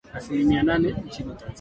Asilimia nane nchini Tanzania